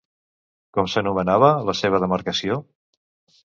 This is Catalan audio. Com s'anomenava la seva demarcació?